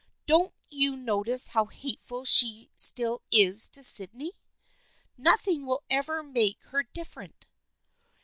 Don't you notice how hateful she still is to Syd ney ? Nothing will ever make her different."